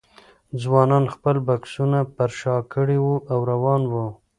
ځوانانو خپل بکسونه پر شا کړي وو او روان وو.